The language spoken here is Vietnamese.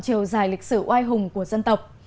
chiều dài lịch sử oai hùng của dân tộc